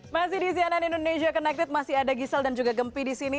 masih di cnn indonesia connected masih ada gisel dan juga gempi di sini